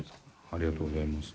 ありがとうございます。